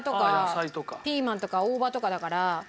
ピーマンとか大葉とかだから。